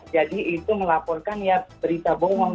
jadi itu melaporkan ya berita bohong